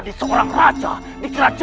raden surawisesa jadi raja